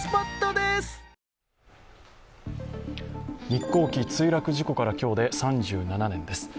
日航機墜落事故から今日で３７年です。